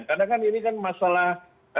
karena kan ini kan masalah